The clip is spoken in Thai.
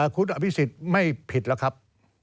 คุณอภิษฎไม่ผิดแล้วครับ